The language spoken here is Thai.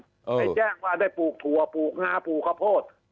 ไปแจ้งว่าได้ปลูกถั่วปลูกงาปลูกข้าวโพด